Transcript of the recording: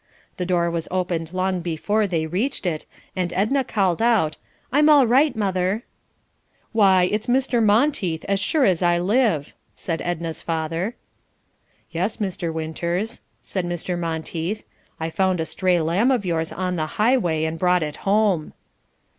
The door was opened long before they reached it, and Edna called out, "I'm all right, mother." "Why, it's Mr. Monteith, as sure as I live," said Edna's father. "Yes, Mr. Winters," said Mr. Monteith, "I found a stray lamb of yours on the highway, and brought it home."